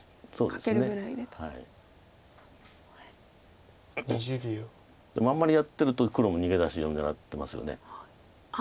でもあんまりやってると黒も逃げ出しを狙ってますよね。